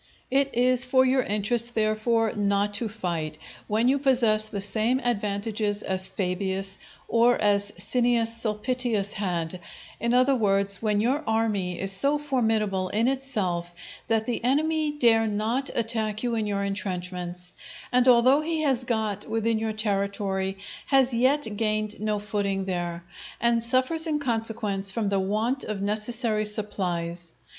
It is for your interest, therefore, not to fight, when you possess the same advantages as Fabius, or as Cneius Sulpitius had; in other words, when your army is so formidable in itself that the enemy dare not attack you in your intrenchments, and although he has got within your territory has yet gained no footing there, and suffers in consequence from the want of necessary supplies.